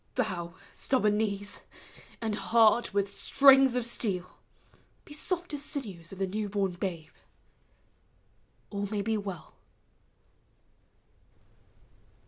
Bow, stubborn knees; and heart with strings of steel, He soft as sinews of the new born babe! All ma v be well.